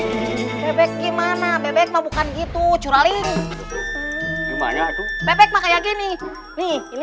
salah bebek gimana bebek mau bukan gitu curaling gimana tuh kayak gini nih ini